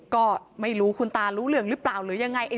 ก็ไม่รู้คุณตารู้เรื่องหรือเปล่าหรือยังไง